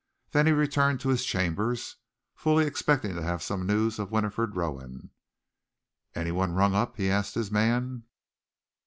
Then he returned to his chambers, fully expecting to have some news of Winifred Rowan. "Any one rung up?" he asked his man.